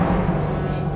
mampu lah abis